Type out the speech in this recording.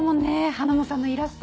ハナモさんのイラスト。